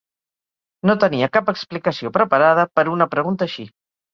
No tenia cap explicació preparada per a una pregunta així.